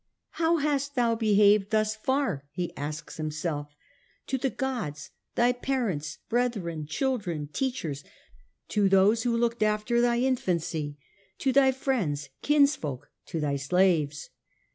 ' How hast thou behaved 3^ thus far,' he asks himself, ' to the gods, thy parents, brethren, children, teachers, to those who looked after thy infancy, to thy friends, kinsfolk, to thy slaves